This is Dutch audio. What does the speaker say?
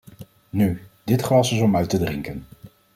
Nu, dit glas is om uit te drinken.